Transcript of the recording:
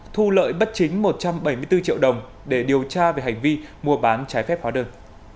thu lợi bất chính một trăm bảy mươi bốn triệu đồng để điều tra về hành vi mua bán trái phép hóa đơn